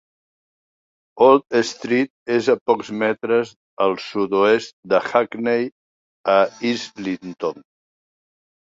Old Street és a pocs metres al sud-oest de Hackney a Islington.